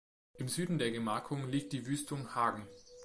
Im Süden der Gemarkung liegt die Wüstung Hagen.